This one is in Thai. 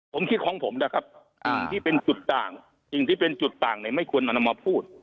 ผมคิดของผมแหละครับจริงที่เป็นจุดต่างในไม่ควรนำมาพูด